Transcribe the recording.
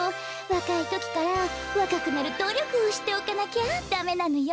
わかいときからわかくなるどりょくをしておかなきゃダメなのよ。